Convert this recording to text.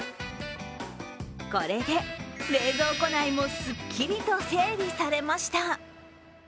これで冷蔵庫内もすっきりと整理されました。